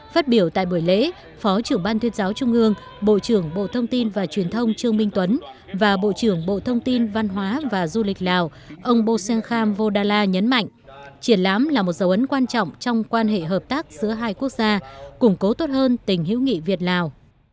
phát biểu tại buổi lễ phó trưởng ban tuyên giáo trung ương bộ trưởng bộ thông tin và truyền thông trương minh tuấn và bộ trưởng bộ thông tin văn hóa và du lịch lào ông bosen kham vodala nhấn mạnh triển lãm là một dấu ấn quan trọng trong quan hệ hợp tác giữa hai quốc gia củng cố tốt hơn tình hữu nghị việt lào